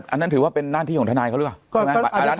อันนั้นถือว่าเป็นน่าที่ของธนายเขาหรือเปล่า